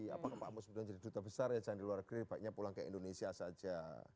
apakah pak musbudan jadi duta besar ya jangan di luar negeri baiknya pulang ke indonesia saja